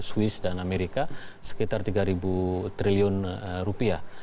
swiss dan amerika sekitar tiga triliun rupiah